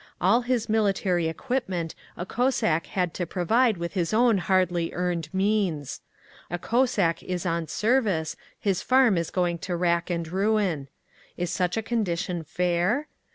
All his military equipment a Cossack had to provide with his own hardly earned means. A Cossack is on service, his farm is going to rack and ruin. Is such a condition fair?